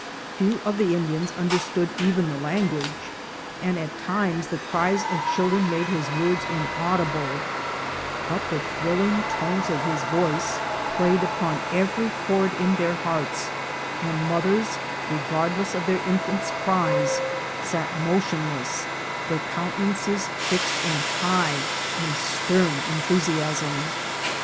Few of the Indians understood even the language, and at times the cries of children made his words inaudible ; but the thrilling tones of his voice played upon every chord in 214 INCIDENTS OF TRAVEL. their hearts ; and mothers, regardless of their infants' cries, sat motionless, their countenances fixed in high and stern enthusiasm.